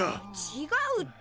ちがうって。